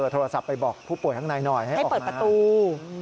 โทรศัพท์ไปบอกผู้ป่วยข้างในหน่อยให้ออกมาประตู